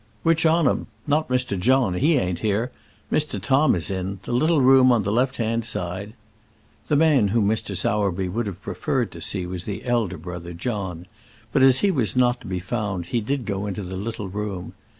"Which on 'em? Not Mr. John; he ain't here. Mr. Tom is in the little room on the left hand side." The man whom Mr. Sowerby would have preferred to see was the elder brother, John; but as he was not to be found, he did go into the little room.